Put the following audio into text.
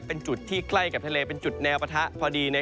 เป็นจุดที่ใกล้กับทะเลเป็นจุดแนวปะทะพอดี